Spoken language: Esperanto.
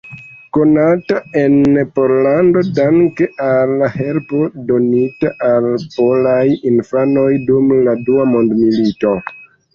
Konata en Pollando danke al helpo donita al polaj infanoj dum la dua mondmilito.